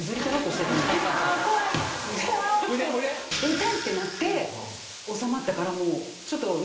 「痛い！」ってなって収まったからちょっとね